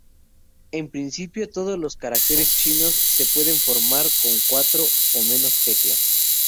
En principio todos los caracteres chinos se pueden formar con cuatro o menos teclas.